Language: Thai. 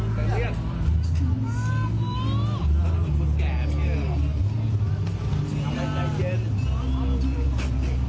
เวลาที่๕นาที